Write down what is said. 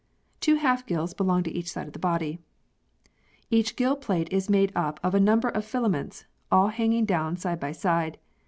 Two half gills belong to each side of the body. Each gill plate is made up of a number of filaments, all hanging down side by side.